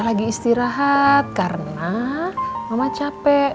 lagi istirahat karena mama capek